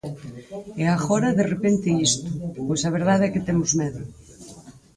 E agora de repente isto, pois a verdade é que temos medo.